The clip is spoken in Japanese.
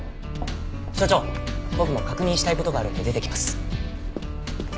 所長僕も確認したい事があるんで出てきます。